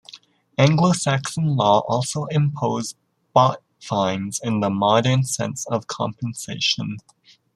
Anglo-Saxon law also imposed "bot" fines in the modern sense of compensation.